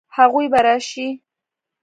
هغوی به راشي؟